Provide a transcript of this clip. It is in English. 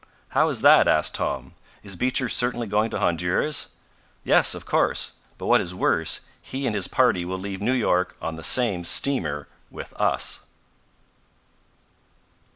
"How is that?" asked Tom. "Is Beecher certainly going to Honduras?" "Yes, of course. But what is worse, he and his party will leave New York on the same steamer with us!"